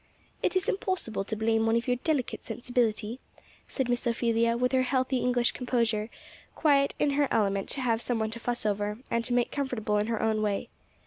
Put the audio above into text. "It is impossible to blame one of your delicate sensibility," said Miss Ophelia; with her healthy English composure, quite in her element to have some one to fuss over, and to make comfortable in her own way.